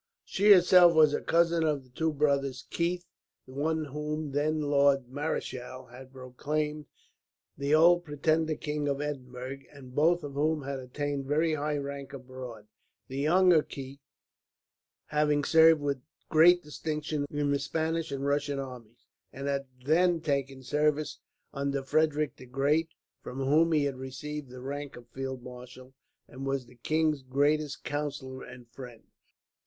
She herself was a cousin of the two brothers Keith; the one of whom, then Lord Marischal, had proclaimed the Old Pretender king at Edinburgh; and both of whom had attained very high rank abroad, the younger Keith having served with great distinction in the Spanish and Russian armies, and had then taken service under Frederick the Great, from whom he had received the rank of field marshal, and was the king's greatest counsellor and friend.